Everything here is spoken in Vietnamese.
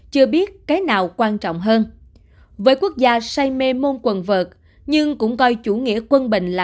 là nơi nào quan trọng hơn với quốc gia say mê môn quần vợt nhưng cũng coi chủ nghĩa quân bệnh là